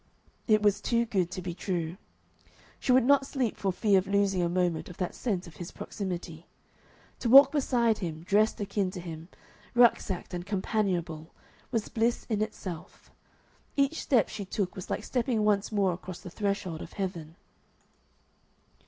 It was too good to be true. She would not sleep for fear of losing a moment of that sense of his proximity. To walk beside him, dressed akin to him, rucksacked and companionable, was bliss in itself; each step she took was like stepping once more across the threshold of heaven.